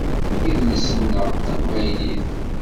Idles-nneɣ d taqbaylit.